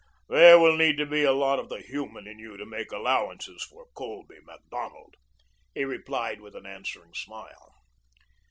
There will need to be a lot of the human in you to make allowances for Colby Macdonald," he replied with an answering smile.